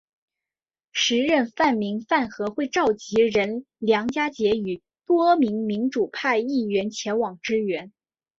时任泛民饭盒会召集人梁家杰与多名民主派议员前往支援。